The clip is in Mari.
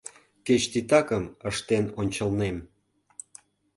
Кеч титакым ыштен ончылнем.